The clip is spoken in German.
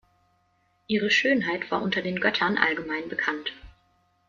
Ihre Schönheit war unter den Göttern allgemein bekannt.